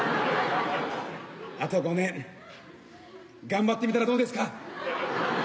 あと５年頑張ってみたらどうですか？